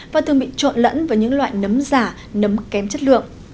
và thường bị trộn lẫn với những loại nấm giả nấm kém chất lượng